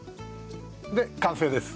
で完成です。